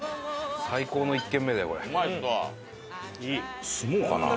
最高の１軒目だよこれ。